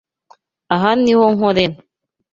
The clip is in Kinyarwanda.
Aha niho nkorera.